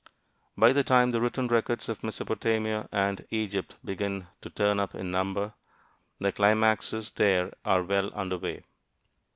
By the time the written records of Mesopotamia and Egypt begin to turn up in number, the climaxes there are well under way.